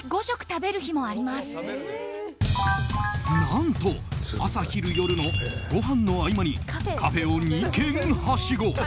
何と、朝昼夜のごはんの合間にカフェを２軒ハシゴ。